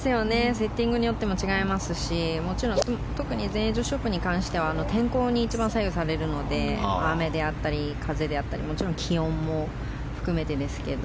セッティングによっても違いますしもちろん、特に全英女子オープンに関しては天候に一番左右されるので雨であったり風であったりもちろん気温も含めてですけど。